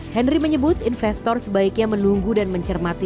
henry menyebut investor sebaiknya menunggu dan mencermati